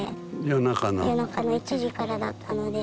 夜中の１時からだったので。